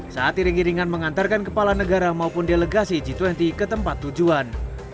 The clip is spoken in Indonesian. saat iring iringan mengantarkan kepala negara maupun delegasi g dua puluh ke tempat tujuan